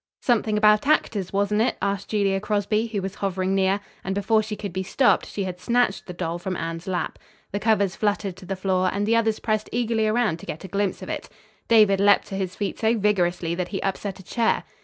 "Something about actors, wasn't it?" asked Julia Crosby, who was hovering near, and before she could be stopped, she had snatched the doll from Anne's lap. The covers fluttered to the floor and the others pressed eagerly around to get a glimpse of it. David leaped to his feet so vigorously that he upset a chair.